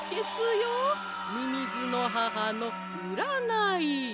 みみずの母のうらない！